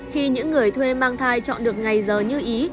khi những người thuê mang thai chọn được ngày giờ như ý